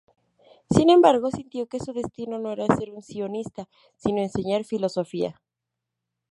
Sin embargo, sintió que su destino no era ser un sionista, sino enseñar filosofía.